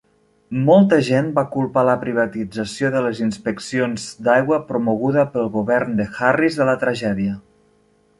Molta gent va culpar la privatització de les inspeccions d'aigua promoguda pel govern de Harris de la tragèdia.